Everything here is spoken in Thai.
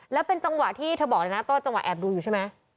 แล้วเป็นจังหวะที่เธอบอกเลยนะก็จังหวะแอบดูอยู่ใช่ไหม